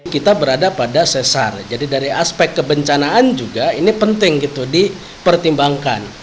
kita berada pada sesar jadi dari aspek kebencanaan juga ini penting gitu dipertimbangkan